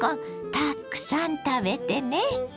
たくさん食べてね。